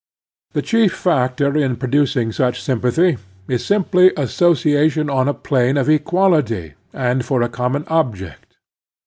The chief factor in producing such sympathy is simply association on a plane of equality, and for a common object.